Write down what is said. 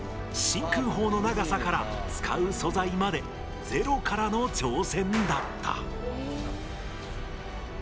真空砲の長さから使う素材までゼロからの挑戦だった。